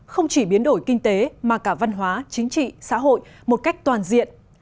không chỉ biến đổi kinh tế mà cả văn hóa chính trị xã hội một cách toàn diện